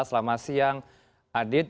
selamat siang adit